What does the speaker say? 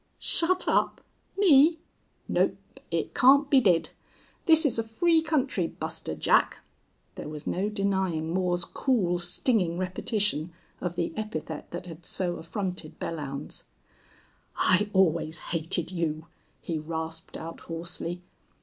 "Shut up!... Me? Nope. It can't be did. This is a free country, Buster Jack." There was no denying Moore's cool, stinging repetition of the epithet that had so affronted Belllounds. "I always hated you!" he rasped out, hoarsely.